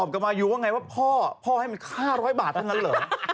ก็มายูว่าไงว่าพ่อให้มันฆ่าร้อยบาททั้งนั้นหรอ